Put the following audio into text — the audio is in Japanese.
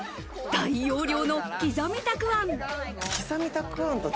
大容量の刻みたくあん。